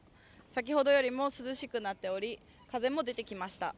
先ほどよりも涼しくなっており、風も出てきました。